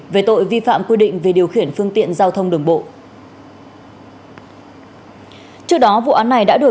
về tội vi phạm quy định về điều khiển phương tiện giao thông đường bộ